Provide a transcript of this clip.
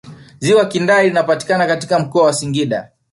ziwa kindai linapatikana mkoa wa singida